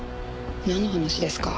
なんの話ですか？